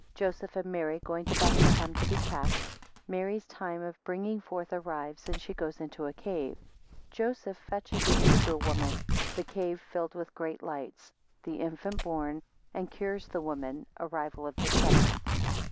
5 Joseph and Mary going to Bethlehem to be taxed, Mary's time of bringing forth arrives, and she goes into a cave. 8 Joseph fetches in a Hebrew woman. The cave filled with great lights. 11 The infant born, 17 and cures the woman. 19 Arrival of the shepherds.